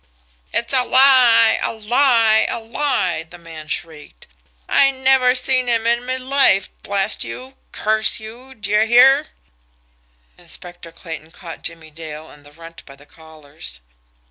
"It's a lie! A lie! A lie!" the man shrieked. "I never seen him in me life blast you! curse you! d'ye hear!" Inspector Clayton caught Jimmie Dale and the Runt by the collars.